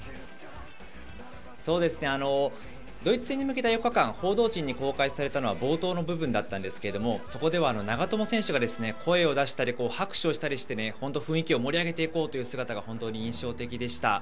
そうですね、ドイツ戦に向けた４日間、報道陣に公開されたのは冒頭の部分だったんですけれども、そこでは長友選手が声を出したり、拍手をしたりしてね、本当、雰囲気を盛り上げていこうという姿が本当に印象的でした。